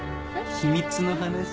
秘密の話？